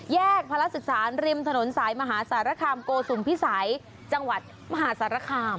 พระราชศึกษาริมถนนสายมหาสารคามโกสุมพิสัยจังหวัดมหาสารคาม